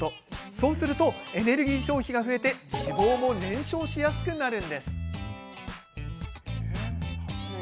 そうするとエネルギー消費が増えて脂肪も燃焼しやすくなるんです。